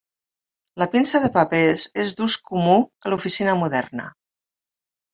La pinça de papers és d'ús comú a l'oficina moderna.